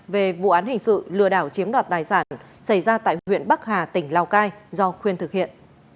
về vụ án hình sự lừa đảo chiếm đoạt tài sản xảy ra tại huyện bắc hà tỉnh lào cai do khuyên thực hiện